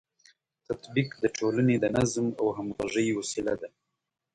تطبیق د ټولنې د نظم او همغږۍ وسیله ده.